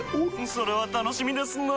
それは楽しみですなぁ。